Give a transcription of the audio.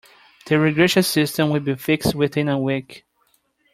The irrigation system will be fixed within a week.